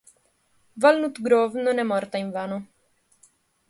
Walnut Grove non è morta invano".